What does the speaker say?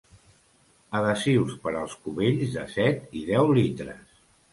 Adhesius per als cubells de set i deu litres.